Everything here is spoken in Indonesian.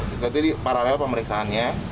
kita jadi paralel pemeriksaannya